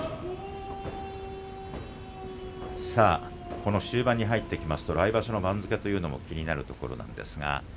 この終盤に入ってきますと来場所の番付というのも気になるところです。